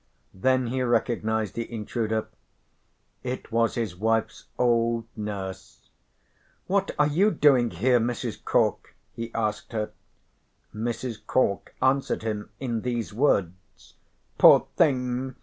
Then he recognised the intruder, it was his wife's old nurse. "What are you doing here, Mrs. Cork?" he asked her. Mrs. Cork answered him in these words: "Poor thing.